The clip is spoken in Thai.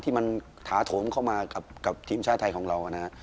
ที่มันถาโถมเข้ามากับทีมชาติไทยของเรานะฮะ